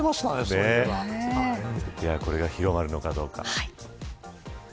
これが広まるのかどうか。